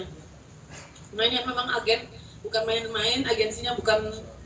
sebenarnya memang agen bukan main main agensinya bukan